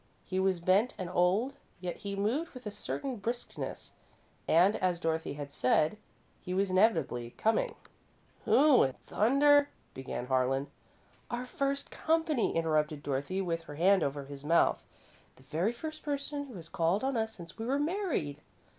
He was bent and old, yet he moved with a certain briskness, and, as Dorothy had said, he was inevitably coming. "Who in thunder " began Harlan. "Our first company," interrupted Dorothy, with her hand over his mouth. "The very first person who has called on us since we were married!"